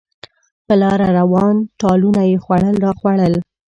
په لاره روان، ټالونه یې خوړل راخوړل.